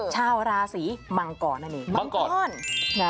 ชาวราศีมังกรนั่นเองมังกร